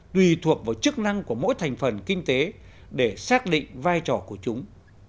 tùy thuộc vào chức năng của mỗi thành phần kinh tế để xác định vai trò của chúng